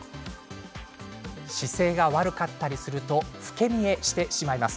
姿勢が悪かったりすると老け見えしてしまうんです。